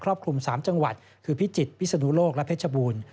รอบคลุม๓จังหวัดคือพิจิตรพิศนุโลกและเพชรบูรณ์